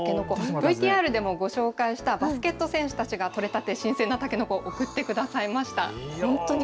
ＶＴＲでもご紹介したバスケット選手たちが取れたての新鮮なたけのこ送ってくれました。